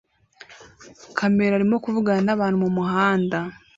Kamera arimo kuvugana nabantu mumuhanda